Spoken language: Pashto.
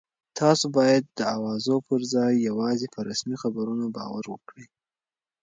تاسو باید د اوازو پر ځای یوازې په رسمي خبرونو باور وکړئ.